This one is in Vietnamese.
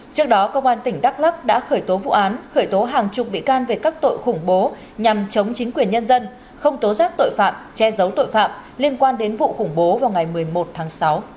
trước đó công an tỉnh đắk lắc đã khởi tố vụ án khởi tố hàng chục bị can về các tội khủng bố nhằm chống chính quyền nhân dân không tố giác tội phạm che giấu tội phạm liên quan đến vụ khủng bố vào ngày một mươi một tháng sáu